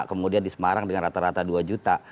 kemudian di semarang dengan rata rata dua juta